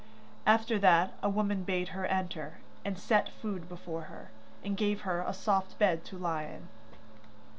After that a woman bade her enter, and set food before her, and gave her a soft bed to lie in.